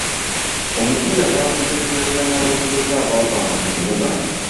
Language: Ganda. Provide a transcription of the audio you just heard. Omupiira baaguzanyanga n'abavubuka abavanga mu kibuga.